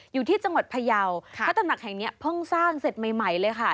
อยู่ที่จังหวัดพยาวพระตำหนักแห่งเนี้ยเพิ่งสร้างเสร็จใหม่ใหม่เลยค่ะ